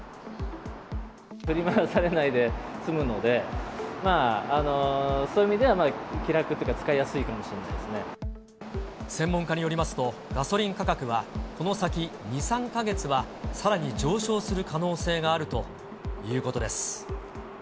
振り回されないで済むので、そういう意味では、気楽っていうか、専門家によりますと、ガソリン価格は、この先、２、３か月はさらに上昇する可能性があるということです。